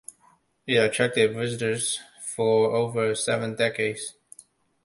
It attracted visitors for over seven decades.